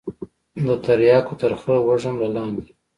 د ترياكو ترخه وږم له لاندې.